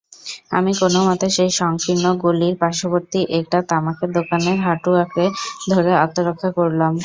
আমি কোনোমতে সেই সংকীর্ণ গলির পার্শ্ববর্তী একটা তামাকের দোকানের হাঁটু আঁকড়ে ধরে আত্মরক্ষা করলুম।